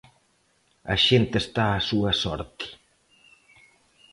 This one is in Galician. A xente está á súa sorte.